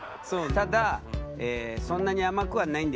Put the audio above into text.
ただそんなに甘くはないんだよね。